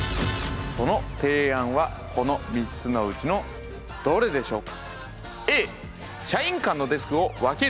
その提案はこの３つのうちのどれでしょうか？